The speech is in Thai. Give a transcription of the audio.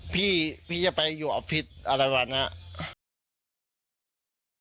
พี่พี่จะไปอยู่ออฟฟิศอะไรวันนั้น